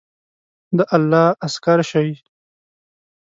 د الله عسکر شئ!